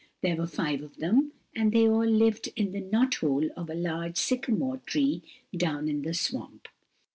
There were five of them, and they all lived in the knot hole of a large sycamore tree down in the swamp.